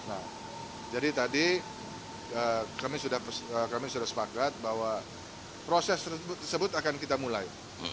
nah jadi tadi kami sudah sepakat bahwa proses tersebut akan kita mulai